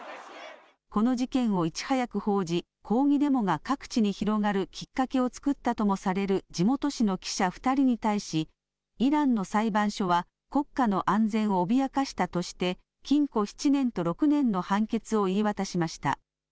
この事件をいち早く報じ、抗議デモが各地に広がるきっかけを作ったともされる地元紙の記者２人に対し、イランの裁判所は、国家の安全を脅かしたとして、禁錮７年と６年の判決を言い渡しました。